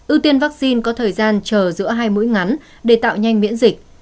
ưu tiên vaccine có thời gian chờ giữa hai mũi ngắn để tạo nhanh miễn dịch